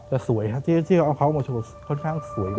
แต่สวยครับที่เขาเอาเขามาโชว์ค่อนข้างสวย